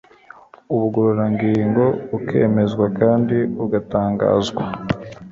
ubugororangingo akemezwa kandi agatangazwa